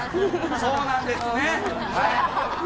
そうなんですね。